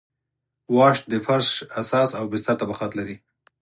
واش د فرش اساس او بستر طبقات لري